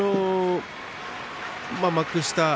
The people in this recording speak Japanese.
幕下